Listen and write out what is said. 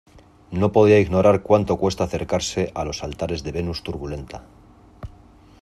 no podía ignorar cuánto cuesta acercarse a los altares de Venus Turbulenta.